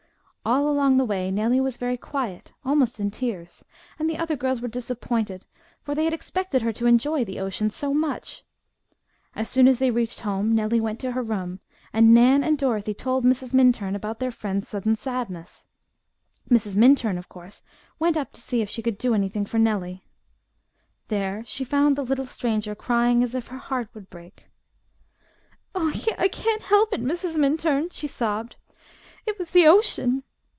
All along the way Nellie was very quiet, almost in tears, and the other girls were disappointed, for they had expected her to enjoy the ocean so much. As soon as they reached home Nellie went to her room, and Nan and Dorothy told Mrs. Minturn about their friend's sudden sadness. Mrs. Minturn of course, went up to see if she could do anything for Nellie. There she found the little stranger crying as if her heart would break. "Oh, I can't help it, Mrs. Minturn!" she sobbed. "It was the ocean.